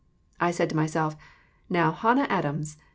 I said to myself "Now, Hannah Adams!